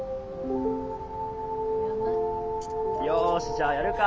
よしじゃあやるか。